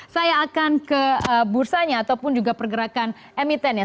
saya akan ke bursanya ataupun juga pergerakan emiten ya